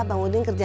bang udin kerja